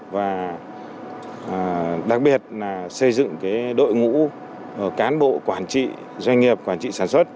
và đặc biệt là xây dựng đội ngũ cán bộ quản trị doanh nghiệp quản trị sản xuất